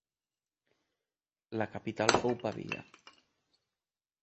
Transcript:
La capital fou Pavia.